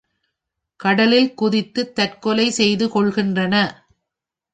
கடலில் குதித்துத் தற்கொலை செய்து கொள்ளுகின்றன!